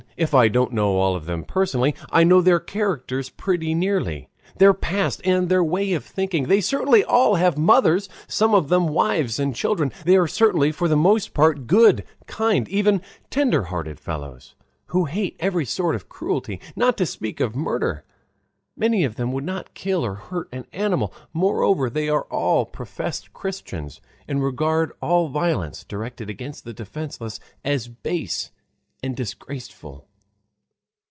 If I don't know all of them personally, I know their characters pretty nearly, their past, and their way of thinking. They certainly all have mothers, some of them wives and children. They are certainly for the most part good, kind, even tender hearted fellows, who hate every sort of cruelty, not to speak of murder; many of them would not kill or hurt an animal. Moreover, they are all professed Christians and regard all violence directed against the defenseless as base and disgraceful.